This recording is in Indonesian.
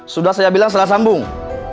sudah saya bilang setelah sambung